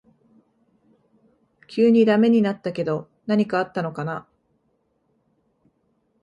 急にダメになったけど何かあったのかな